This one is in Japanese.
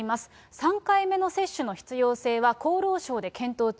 ３回目の接種の必要性は厚労省で検討中。